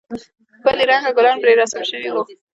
ښکلي رنگه گلان پرې رسم سوي وو.